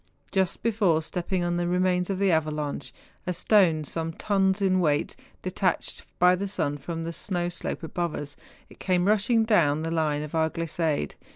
Just before stepping on the remains of the avalanche, a stone some tons weight, detached by the sun from the snow slope above us, came rushing down the line of our glissade.